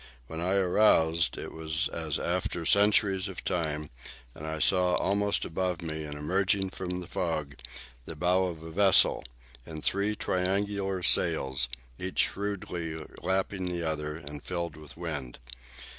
When I aroused, it was as after centuries of time; and I saw, almost above me and emerging from the fog, the bow of a vessel, and three triangular sails, each shrewdly lapping the other and filled with wind.